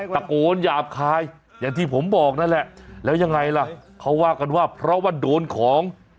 ตะโกนหยาบคายอย่างที่ผมบอกนั่นแหละแล้วยังไงล่ะเขาว่ากันว่าเพราะว่าโดนของ